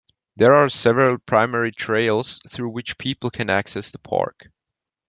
There are several primary trails through which people can access the park.